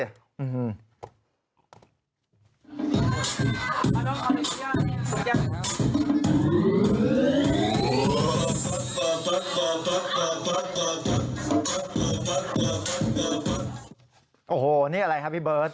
โอ้โหนี่อะไรครับพี่เบิร์ต